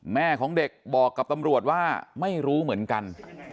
แม่ของเด็กบอกกับตำรวจว่าไม่รู้เหมือนกัน